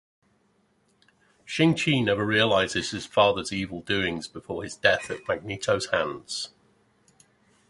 Shang-Chi never realizes his father's evil doings before his death at Magneto's hands.